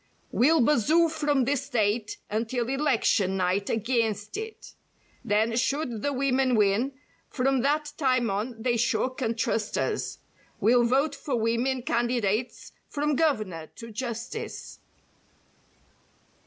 We'll "bazoo" from this date until election night "aginst" it. Then, should the women win, from that time on they sure can trust us, We'll vote for women candidates from Governor to Justice.